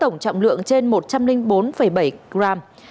nói trên một trăm linh bốn bảy gram